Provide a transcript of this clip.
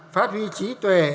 phát huy trí tuệ